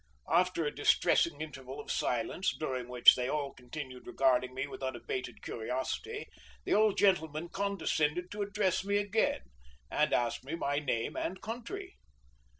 After a distressing interval of silence, during which they all continued regarding me with unabated curiosity, the old gentleman condescended to address me again and asked me my name and country.